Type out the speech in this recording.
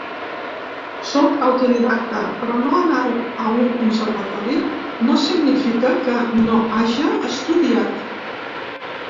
Sóc autodidacta, però no anar a un conservatori no significa que no haja estudiat.